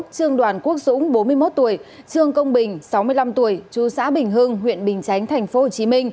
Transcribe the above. trương đoàn quốc dũng bốn mươi một tuổi trương công bình sáu mươi năm tuổi chú xã bình hưng huyện bình chánh tp hcm